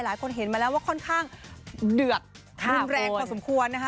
หลายคนเห็นมาแล้วว่าค่อนข้างเดือดรุนแรงพอสมควรนะคะ